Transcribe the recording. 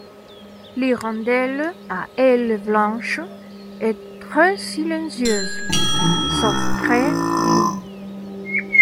L'hirondelle à ailes blanches est très silencieuse, sauf près du nid.